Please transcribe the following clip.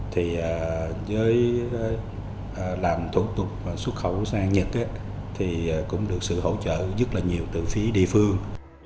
thì với làm thủ tục xuất khẩu sang nhật thì cũng được sự hỗ trợ rất là nhiều từ phía địa phương